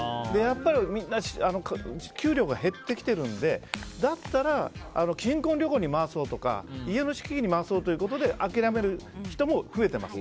みんな給料が減ってきてるのでだったら、新婚旅行に回そうとか家の資金に回そうとか諦める人も増えています。